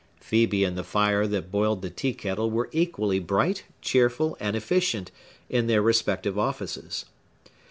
Phœbe and the fire that boiled the teakettle were equally bright, cheerful, and efficient, in their respective offices.